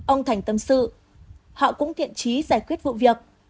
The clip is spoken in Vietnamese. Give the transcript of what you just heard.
ông thành tâm sự họ cũng thiện trí giải quyết vụ việc